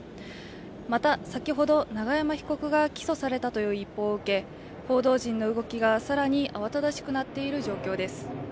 また、先ほど永山被告が起訴されたという一報を受け報道陣の動きが更に慌ただしくなっている状況です。